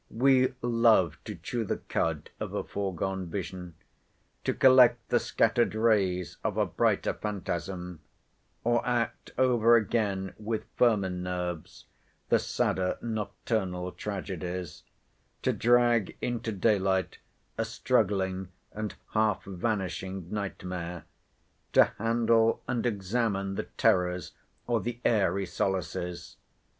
We love to chew the cud of a foregone vision: to collect the scattered rays of a brighter phantasm, or act over again, with firmer nerves, the sadder nocturnal tragedies; to drag into day light a struggling and half vanishing night mare; to handle and examine the terrors, or the airy solaces.